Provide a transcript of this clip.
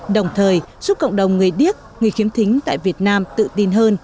đồng thời giúp cộng đồng người điếc người khiếm thính tại việt nam tự tin hơn